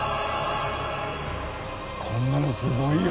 こんなのすごいよ。